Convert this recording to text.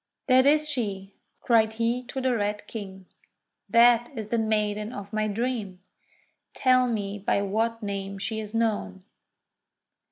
'That is she," cried he to the Red King, "that is the maiden of my dream! Tell me by what name she is known."